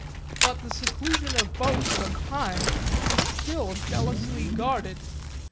But the seclusion of both from time is still jealously guarded.